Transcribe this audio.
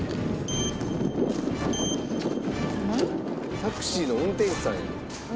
「タクシーの運転手さんやん」